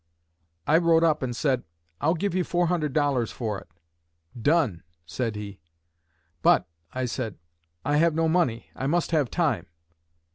I rode up and said, 'I'll give you four hundred dollars for it.' 'Done!' said he. 'But,' I said, 'I have no money. I must have time.'